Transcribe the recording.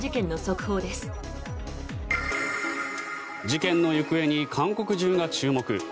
事件の行方に韓国中が注目。